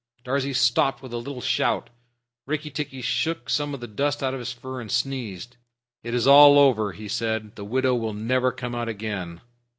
Darzee stopped with a little shout. Rikki tikki shook some of the dust out of his fur and sneezed. "It is all over," he said. "The widow will never come out again."